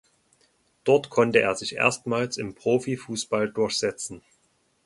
Dort konnte er sich erstmals im Profifußball durchsetzen.